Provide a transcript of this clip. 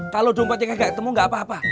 kalau dompetnya gak ketemu gak apa apa